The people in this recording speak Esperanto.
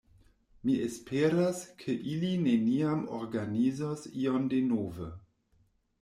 Mi esperas, ke ili neniam organizos ion denove.